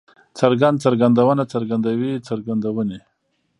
څرګند، څرګندونه، څرګندوی، څرګندونې